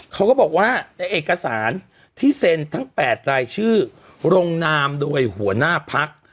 เขาก็บอกว่าในเอกสารที่เซ็นทั้ง๘รายชื่อลงนามโดยหัวหน้าพัก